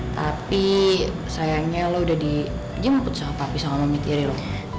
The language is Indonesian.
tapi sayangnya lo udah dijemput sama papi sama memikirin lo